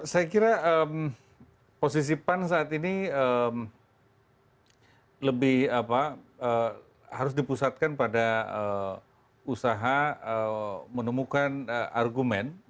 saya kira posisi pan saat ini lebih harus dipusatkan pada usaha menemukan argumen